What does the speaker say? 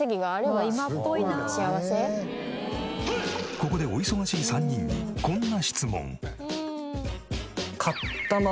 ここでお忙しい３人にこんな質問。